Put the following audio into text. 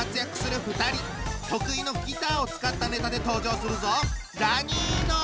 得意のギターを使ったネタで登場するぞ！